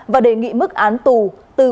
và đề nghị mức án tù từ bốn năm đến sáu năm